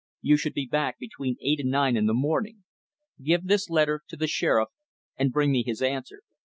You should be back between eight and nine in the morning. Give this letter to the Sheriff and bring me his answer.